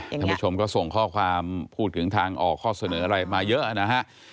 ท่านผู้ชมก็ส่งข้อความพูดถึงทางออกข้อเสนออะไรมาเยอะนะฮะ